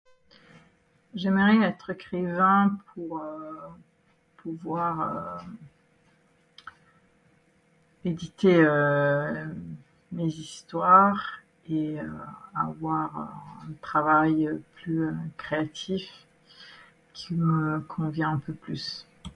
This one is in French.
J’aimerais être écrivain pour, euh, pouvoir, euh, éditer, euh, mes histoires et, euh, avoir un travail plus, euh, créatif qui me convient un peu plus.